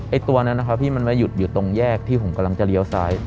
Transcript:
ตัวนั้นนะครับพี่มันมาหยุดอยู่ตรงแยกที่ผมกำลังจะเลี้ยวซ้าย